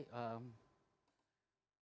saya melihat ini sebagai